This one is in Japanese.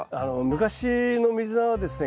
昔のミズナはですね